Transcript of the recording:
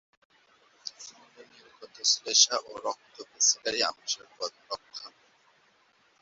মলে নির্গত শ্লেষ্মা ও রক্ত ব্যাসিলারি আমাশয়ের প্রধান লক্ষণ।